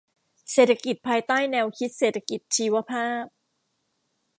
เศรษฐกิจภายใต้แนวคิดเศรษฐกิจชีวภาพ